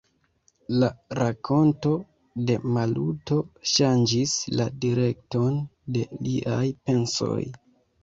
La rakonto de Maluto ŝanĝis la direkton de liaj pensoj.